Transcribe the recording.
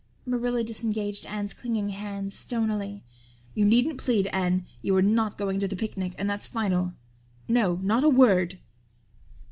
Marilla disengaged Anne's clinging hands stonily. "You needn't plead, Anne. You are not going to the picnic and that's final. No, not a word."